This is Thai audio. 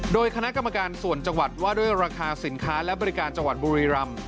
โดยคณะกรรมการส่วนจังหวัดว่าด้วยราคาสินค้าและบริการจังหวัดบุรีรำ